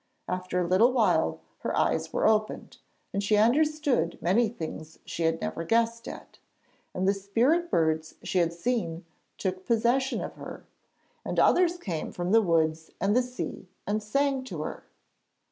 After a little while her eyes were opened, and she understood many things she had never guessed at, and the spirit birds she had seen took possession of her, and others came from the woods and the sea, and sang to her.